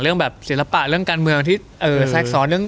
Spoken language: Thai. เรื่องแบบศิลปะเรื่องการเมืองที่แทรกซ้อนเรื่อง